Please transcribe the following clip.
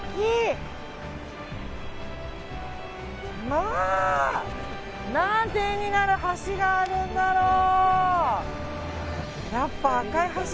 まあ、何て絵になる橋があるんだろう。